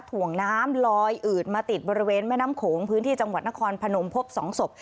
ถ่วงน้ำลอยอืดมาติดบริเวณแม่น้ำโขงพื้นที่จังหวัดนครพนมพบ๒ศพ